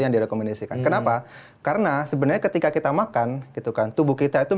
yang direkomendasikan kenapa karena sebenarnya ketika kita makan gitu kan tubuh kita itu